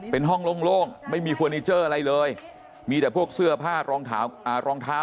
เป็นห้องโล่งไม่มีเฟอร์นิเจอร์อะไรเลยมีแต่พวกเสื้อผ้ารองเท้า